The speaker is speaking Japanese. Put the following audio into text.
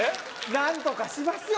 何とかしますよ